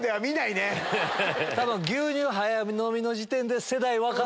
牛乳早飲みの時点で。